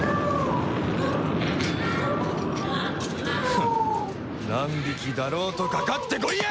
フン何匹だろうとかかってこいや！